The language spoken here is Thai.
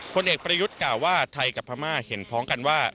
ผลเอกประยุทธ์กล่าวว่าไทยกับพม่าเห็นพร้อมกันว่า